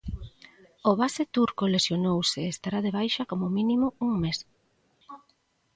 O base turco lesionouse e estará de baixa como mínimo un mes.